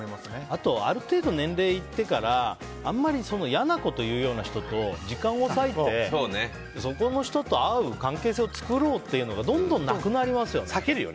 あとある程度、年齢いってから嫌なことを言うような人と時間を割いてその人と会う関係性を作ろうっていうのがどんどんなくなりますよね。